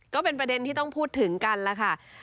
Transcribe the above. ก็เป็นประเด็นที่ต้องพูดถึงกันแล้วค่ะ